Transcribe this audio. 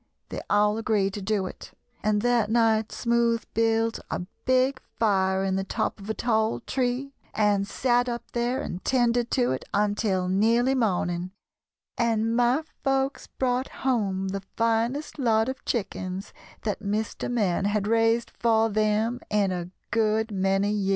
They all agreed to do it, and that night Smoothe built a big fire in the top of a tall tree and sat up there and 'tended to it until nearly morning, and my folks brought home the finest lot of chickens that Mr. Man had raised for them in a good many years."